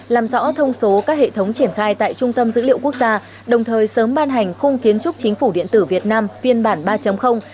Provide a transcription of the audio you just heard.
làm rõ thông số các hệ thống triển khai tại trung tâm dữ liệu quốc gia đồng thời sớm ban hành khung kiến trúc chính phủ điện tử việt nam phiên bản ba